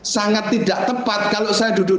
sangat tidak tepat kalau saya duduk